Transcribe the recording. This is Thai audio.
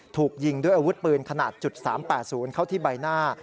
ถูกยิงด้วยอาวุธปืนขนาดจุดสามแปดศูนย์เข้าที่ใบหน้า